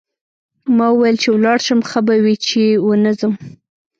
ما وویل چې ولاړ شم ښه به وي چې ونه ځم.